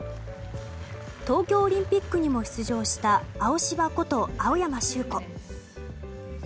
東京オリンピックにも出場したアオシバこと青山修子。